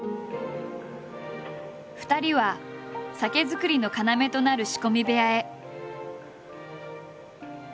２人は酒造りの要となる仕込み部屋へ。